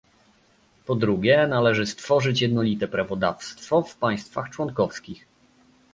Po drugie, należy stworzyć jednolite prawodawstwo w państwach członkowskich